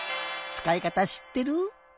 つかいかたしってる？